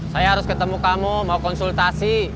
saya harus ketemu kamu mau konsultasi